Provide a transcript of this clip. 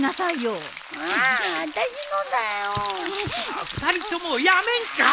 ああ２人ともやめんか。